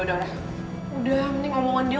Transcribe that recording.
udah mending ngomongin dia